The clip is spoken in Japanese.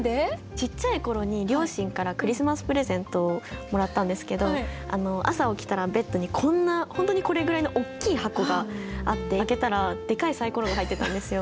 ちっちゃい頃に両親からクリスマスプレゼントをもらったんですけど朝起きたらベッドにこんな本当にこれぐらいの大きい箱があって開けたらデカいサイコロが入ってたんですよ。